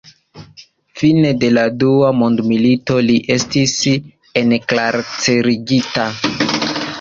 Fine de la dua mondmilito li estis enkarcerigita.